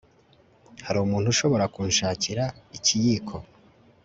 Hari umuntu ushobora kunshakira ikiyiko